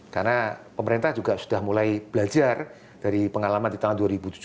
karena pemerintah juga sudah mulai belajar dari pengalaman di tahun dua ribu tujuh belas